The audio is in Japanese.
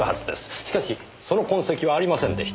しかしその痕跡はありませんでした。